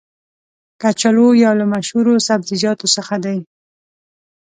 کچالو یو له مشهورو سبزیجاتو څخه دی.